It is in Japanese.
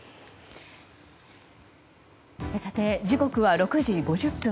さて、時刻は６時５０分。